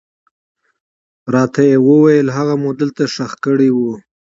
راته ويې ويل هغه مو دلته ښخ کړى و.